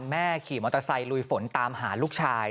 ขี่มอเตอร์ไซค์ลุยฝนตามหาลูกชาย